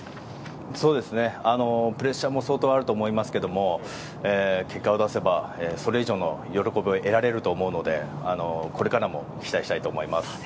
プレッシャーも相当あると思いますけど結果を出せば、それ以上の喜びを得られると思うのでこれからも期待したいと思います。